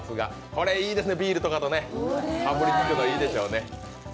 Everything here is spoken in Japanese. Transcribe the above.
これ、いいですね、ビールとかとね、かぶりつくの、いいでしょうね。